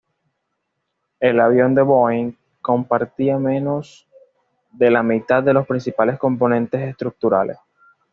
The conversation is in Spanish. El avión de Boeing compartía menos de la mitad de los principales componentes estructurales.